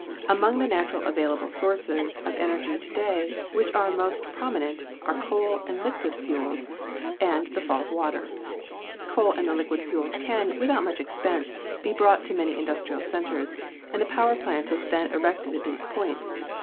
Among the natural available sources of energy to day which are most promi nent are coal and liquid fuels and the fall of water. Coal and the liquid fuels can, without much expense, be brought to many industrial centers, and the power plant is then erected at these points.